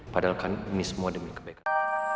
padahal kan ini semua demi kebaikan